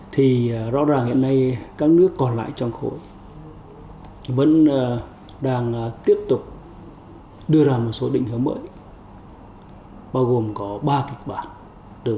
thì rõ ràng hiện nay các nước còn lại trong khối vẫn đang tiếp tục đưa ra một số định hướng mới bao gồm có ba kịch bản từ với tpp